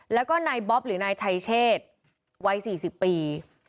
แล้วก็นายบ๊อบหรือนายชัยเชษวัย๔๐ปี